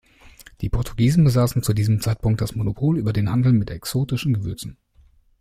Die Portugiesen besaßen zu diesem Zeitpunkt das Monopol über den Handel mit exotischen Gewürzen.